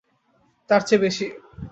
তার চেয়ে বেশি।